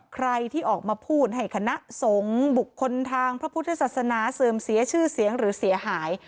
ใครที่ออกมาพูดให้คณะสงฆ์บุคคลทางพระพุทธศาสนาเสื่อมเสียชื่อเสียงหรือเสียหาย